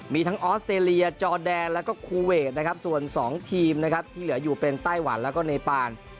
มีทั้งออสเตรียจอดานแล้วก็คูเวทส่วน๒ทีมที่เหลืออยู่เป็นไต้หวันแล้วก็เนปาน